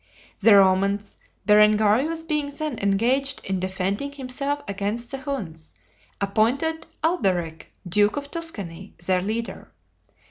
The Romans, Berengarius being then engaged in defending himself against the Huns, appointed Alberic, duke of Tuscany, their leader.